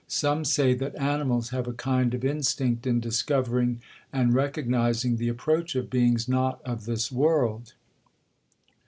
Some say that animals have a kind of instinct in discovering and recognizing the approach of beings not of this world.